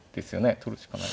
取るしかない。